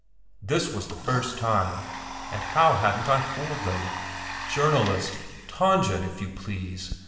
This was the first time, and how hadn't I fooled them? "Journalist! Tangen! if you please!